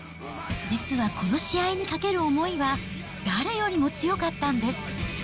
実はこの試合にかける思いは誰よりも強かったんです。